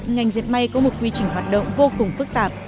ngành diệt may có một quy trình hoạt động vô cùng phức tạp